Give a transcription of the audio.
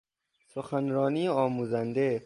سخنرانی آموزنده